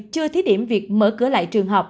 chưa thí điểm việc mở cửa lại trường học